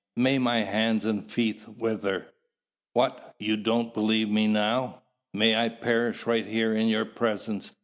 May my hands and feet wither! What, don't you believe me now? May I perish right here in your presence!